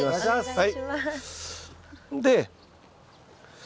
はい。